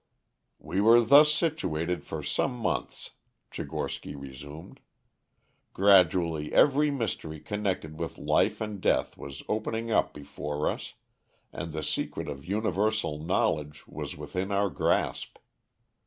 "We were thus situated for some months," Tchigorsky resumed. "Gradually every mystery connected with life and death was opening up before us, and the secret of universal knowledge was within our grasp.